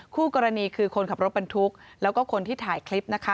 คู่กรณีคือคนขับรถบรรทุกแล้วก็คนที่ถ่ายคลิปนะคะ